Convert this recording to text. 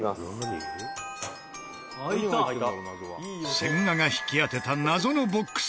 千賀が引き当てた謎のボックス。